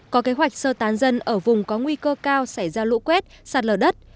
có kế hoạch sơ tán dân ở vùng có nguy cơ cao xảy ra lũ quét sạt lở đất